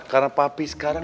karena papi sekarang